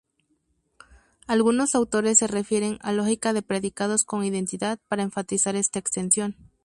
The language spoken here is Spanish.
Algunos autores se refieren a "lógica de predicados con identidad" para enfatizar esta extensión.